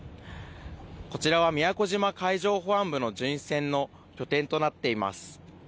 こちらは宮古島海上保安部の巡視船の拠点となっています。